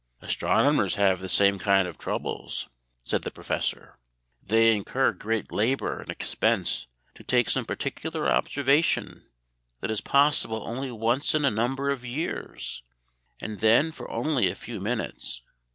"Astronomers have the same kind of troubles," said the Professor. "They incur great labor and expense to take some particular observation that is possible only once in a number of years, and then for only a few minutes.